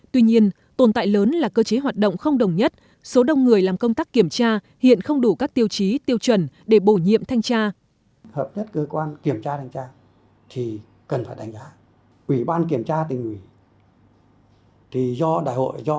tuy nhiên tồn tại lớn là cơ chế hoạt động không đồng nhất số đông người làm công tác kiểm tra hiện không đủ các tiêu chí tiêu chuẩn để bổ nhiệm thanh tra